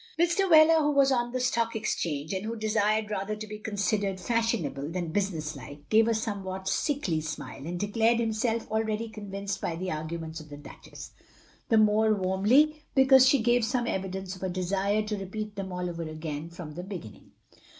Mr. Wheler, who was on the Stock Exchange, and who desired rather to be considered fashion able than business like, gave a somewhat sickly smile, and declared himself already convinced by f he arguments of the Duchess, — ^the more warmly because she gave some evidence of a desire to repeat them all over again from the beginning.